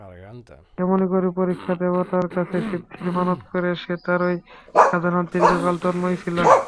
এমনি করে পরীক্ষাদেবতার কাছে সিদ্ধির মানত করে সে তারই সাধনায় দীর্ঘকাল তন্ময় ছিল।